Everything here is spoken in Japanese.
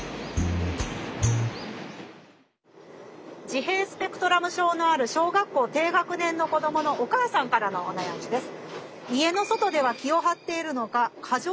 自閉スペクトラム症のある小学校低学年の子どものお母さんからのお悩みです。